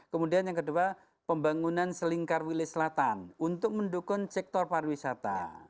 kemudian yang kedua pembangunan selingkar wilayah selatan untuk mendukung sektor pariwisata